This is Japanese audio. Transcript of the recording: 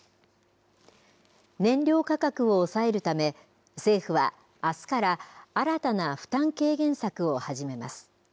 燃料価格を抑えるため、政府はあすから、新たな負担軽減策を始めます。